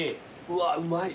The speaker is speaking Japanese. うわうまい。